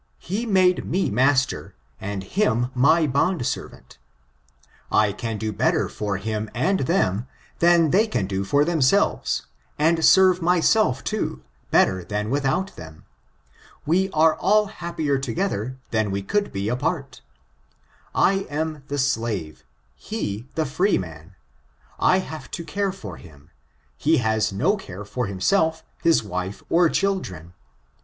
He made me master, and him my bondservant. I can do better for him and them» than they can do for themselves, and serve myself, too, better than without them. We are all happier together than we ooold be apart. I am the slave, he the freeman. I hare to care for him; he has no care for hin^elf, his wife, or children.